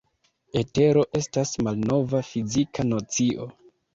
Etero estas malnova fizika nocio.